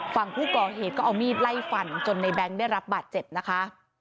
ฝั่งผู้ก่อเหตุก็เอามีดไล่ฟันจนในแง๊งได้รับบาดเจ็บนะคะ